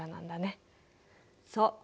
そう。